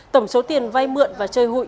tổng số tiền vai mượn và chơi hụi